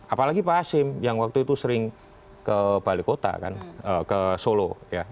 apalagi pak asim yang waktu itu sering ke balik kota kan ke solo ya